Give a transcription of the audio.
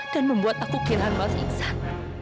dan membuat aku kehilangan mas iksan